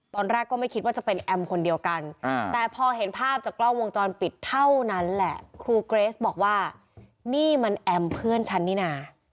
ตอนแรกก็ไม่คิดว่าจะเป็นแอมคนเดียวกันแต่พอเห็นภาพจากกล้องวงจรปิดเท่านั้นแหละครูเกรสบอกว่านี่มันแอมเพื่อนฉันนี่นะ